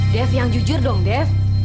dev yang jujur dong dev